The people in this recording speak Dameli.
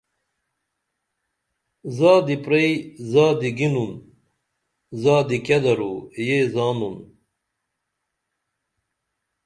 زادی پرئی زادی گینُن زادی کیہ درو یہ زانُن